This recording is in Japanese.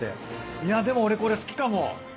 いやでも俺これ好きかも！